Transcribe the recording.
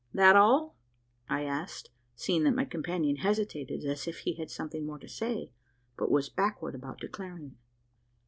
"That all?" I asked seeing that my companion hesitated, as if he had something more to say, but was backward about declaring it.